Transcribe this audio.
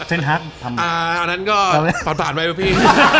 อุ๊ยอันนั้นก็ผ่านไปป่ะพี่